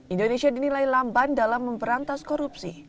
indonesia dinilai lamban dalam memberantas korupsi